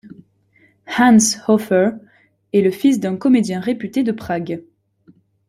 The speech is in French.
Hans Hofer est le fils d'un comédien réputé de Prague.